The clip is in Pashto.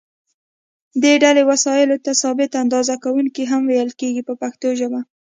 دې ډلې وسایلو ته ثابته اندازه کوونکي هم ویل کېږي په پښتو ژبه.